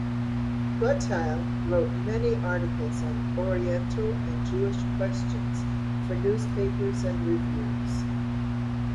Gottheil wrote many articles on Oriental and Jewish questions for newspapers and reviews.